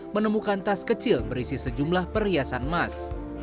menemukan tas kecil berisi sejumlah perhiasan emas